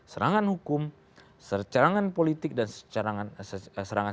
serangan hukum serangan politik dan serangan secara fisik